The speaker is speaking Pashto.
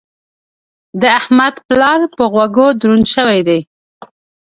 د احمد پلار په غوږو دروند شوی دی.